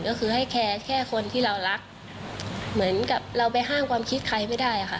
ก็คือให้แคร์แค่คนที่เรารักเหมือนกับเราไปห้ามความคิดใครไม่ได้ค่ะ